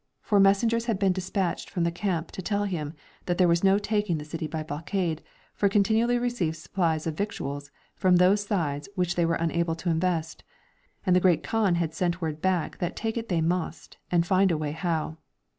For messengers had been despatched from the camp to tell him that there was no taking the city by blockade, for it continually received supplies of victual from those sides which they were unable to invest ; and the Great Kaan had sent back word that take it they must, and find a way how.